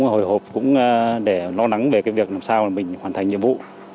hồi hộp cũng để lo nắng về cái việc làm sao là mình hoàn thành nhiệm vụ